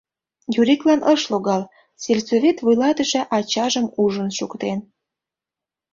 Юриклан ыш логал, сельсовет вуйлатыше ачажым ужын шуктен.